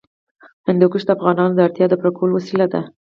هندوکش د افغانانو د اړتیاوو د پوره کولو وسیله ده.